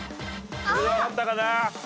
これで分かったかな？